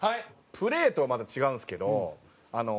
プレーとはまた違うんですけどあの。